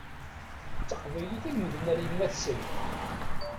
D taqbaylit i lemden ar yemma-tsen.